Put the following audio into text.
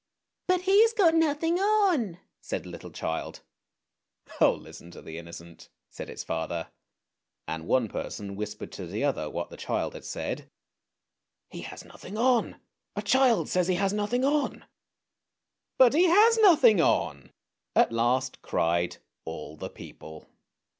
" But he has got nothing on," said a little child. " Oh, listen to the innocent," said its father; and one person whispered to the other what the child had said. " He has nothing on; a child says he has nothing on! "" But he has nothing on! " at last cried all the people.